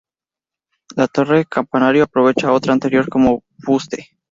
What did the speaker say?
La torre campanario aprovecha otra anterior como fuste.